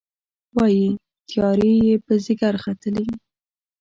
وايي، تیارې یې پر ځيګر ختلي